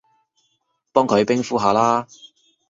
幫佢冰敷下啦